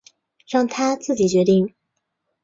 让他自己决定